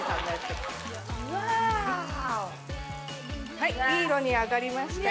はいいい色に揚がりましね。